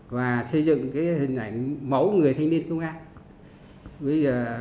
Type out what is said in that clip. và xây dựng hình ảnh mẫu người thanh niên trong công an